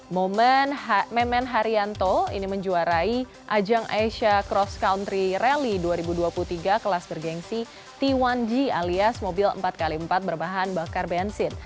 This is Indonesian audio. momen memen haryanto ini menjuarai ajang asia cross country rally dua ribu dua puluh tiga kelas bergensi t satu g alias mobil empat x empat berbahan bakar bensin